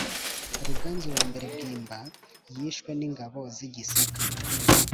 Ruganzu I Bwimba yishwe n’ingabo z’i Gisaka.